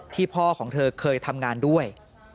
พ่อของเธอเคยทำงานด้วย